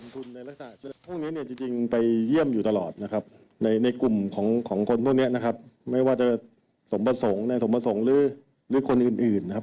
พูดคุยนัดหมายนัดแม้กันนะครับอันนี้เป็นข้อสันนิษฐานของเรานะครับ